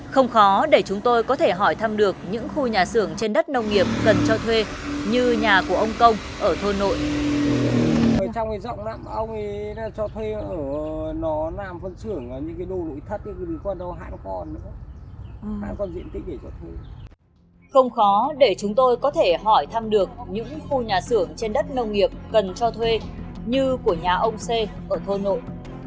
không khó để chúng tôi có thể hỏi thăm được những khu nhà xưởng trên đất nông nghiệp cần cho thuê như của nhà ông công ở thôn nội